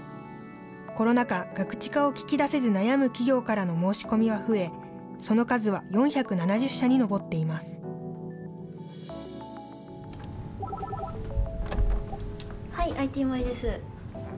コロナ禍、ガクチカを聞き出せず悩む企業からの申し込みは増え、その数は４７０社に上っています。